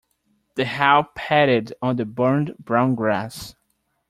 The hail pattered on the burnt brown grass.